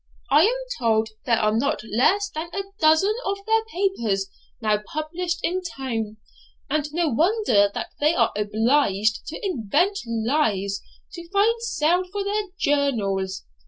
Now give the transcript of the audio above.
'I am told there are not less than a dozen of their papers now published in town, and no wonder that they are obliged to invent lies to find sale for their journals.